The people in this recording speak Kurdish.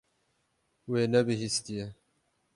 Wê nebihîstiye.